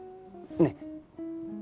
ねえ？